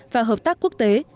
và hợp tác quốc tế